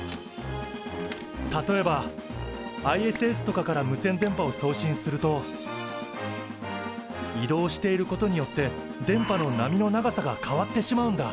例えばＩＳＳとかから無線電波を送信すると移動していることによって電波の波の長さが変わってしまうんだ。